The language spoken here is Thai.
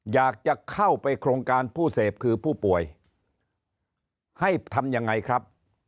อยากจะเข้าไปโครงการผู้เสพคือผู้ป่วยให้ทำยังไงครับ